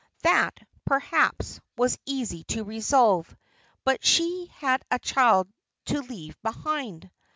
That, perhaps, was easy to resolve; but she had a child to leave behind!